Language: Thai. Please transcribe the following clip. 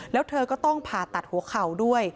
แล้วเธอก็ต้องผ่าตัดหัวเข่าด้วย